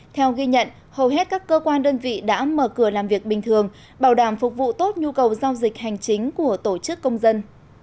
theo ghi nhận hầu hết các cơ quan đơn vị đã mở cửa làm việc bình thường bảo đảm phục vụ tốt nhu cầu giao dịch hành chính của tổ chức công dân